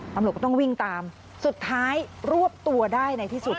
ตำรวจก็ต้องวิ่งตามสุดท้ายรวบตัวได้ในที่สุด